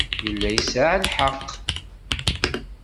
Yella yesɛa lḥeqq.